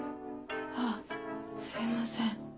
あぁすいません。